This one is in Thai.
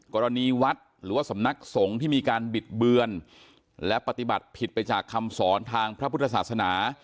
กรณีวัดหรือว่าสำนักสงฆ์ที่มีการบิดเบือนและปฏิบัติผิดไปจากคำสอนทางพระพุทธศาสนา